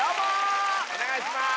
お願いします！